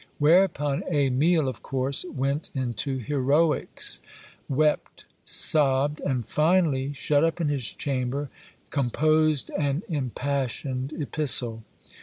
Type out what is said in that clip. Whereupon Emile, of course, went into heroics, wept, sobbed, and finally, shut up in his chamber, composed an impassioned epistle.